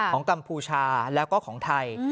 กัมพูชาแล้วก็ของไทย